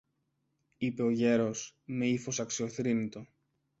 είπε ο γέρος με ύφος αξιοθρήνητο.